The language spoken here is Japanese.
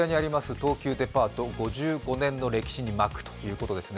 東急デパート５５年の歴史に幕ということですね。